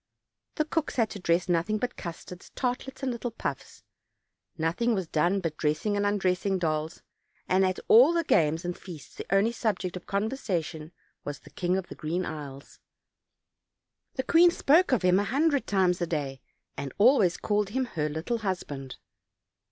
The cooks had to dress nothing but custards, tartlets and little puffs. Nothing was done but dressing and undressing dolls, and at all the games and feasts the only subject of conversation was the King of the Green Isles. The queen spoke of him a hundred times a day, and always called him her little husband.